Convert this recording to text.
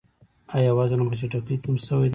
ایا وزن مو په چټکۍ کم شوی دی؟